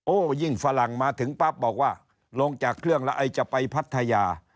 ยิ่งฝรั่งมาถึงปั๊บบอกว่าลงจากเครื่องแล้วไอจะไปพัทยา